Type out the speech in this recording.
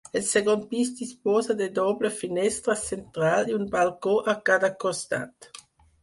El segon pis disposa de doble finestra central i un balcó a cada costat.